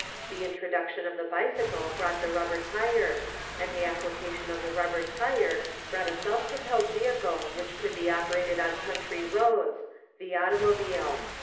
The introduction of the bicycle brought the rubber tire, and the application of the rubber tire brought a self propelled ve hicle which could be operated on country roads — the automobile.